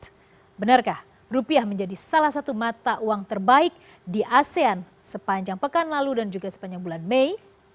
benarkah rupiah menjadi salah satu mata uang terbaik di asean sepanjang pekan lalu dan juga sepanjang bulan mei